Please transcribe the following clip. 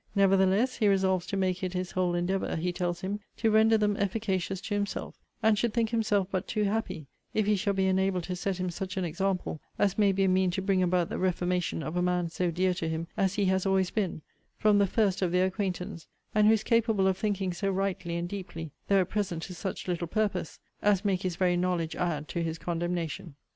Nevertheless, he resolves to make it his whole endeavour, he tells him, to render them efficacious to himself: and should think himself but too happy, if he shall be enabled to set him such an example as may be a mean to bring about the reformation of a man so dear to him as he has always been, from the first of their acquaintance; and who is capable of thinking so rightly and deeply; though at present to such little purpose, as make his very knowledge add to his condemnation.